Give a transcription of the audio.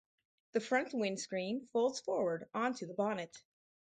The front windscreen folds forward onto the bonnet.